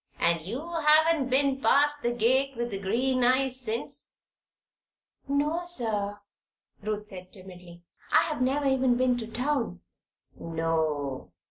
"And you haven't been past the gate with the green eyes since?" "No, sir," Ruth said, timidly. "I have never even been to town." "No.